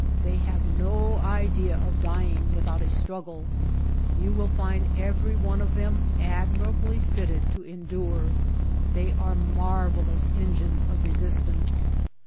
They have no idea of dying without a struggle. You will find every one of them admirably fitted to en dure. They are marvellous engines of resist ance.